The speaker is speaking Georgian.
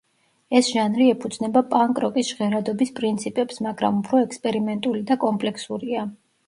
ეს ჟანრი ეფუძნება პანკ-როკის ჟღერადობის პრინციპებს, მაგრამ უფრო ექსპერიმენტული და კომპლექსურია.